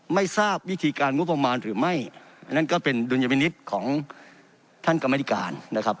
ไม่ทราบวิธีการงบประมาณหรือไม่อันนั้นก็เป็นดุลยพินิษฐ์ของท่านกรรมธิการนะครับ